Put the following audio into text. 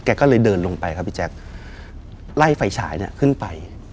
ก็เลยเดินลงไปครับพี่แจ๊คไล่ไฟฉายเนี่ยขึ้นไป